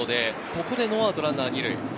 ここでノーアウトランナー２塁。